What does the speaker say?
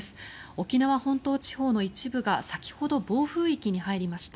沖縄本島地方の一部が先ほど暴風域に入りました。